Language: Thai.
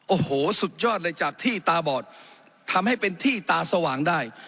โอ้โหสุดยอดเลยจากที่ตาบอดทำให้เป็นที่ตาสว่างได้